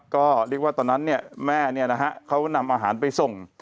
ก็เรียกว่าตอนนั้นเนี่ยแม่เนี่ยนะฮะเขานำอาหารไปส่ง